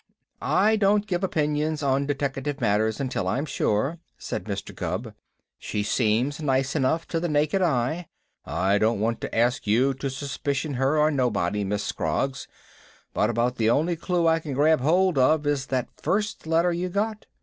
"I don't give opinions on deteckative matters until I'm sure," said Mr. Gubb. "She seems nice enough to the naked eye. I don't want to get you to suspicion her or nobody, Miss Scroggs, but about the only clue I can grab hold of is that first letter you got.